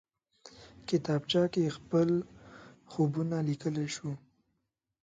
کتابچه کې خپل خوبونه لیکلی شو